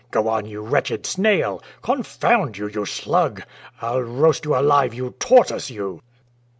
"Go on, you wretched snail! Confound you, you slug! I'll roast you alive, you tortoise, you!"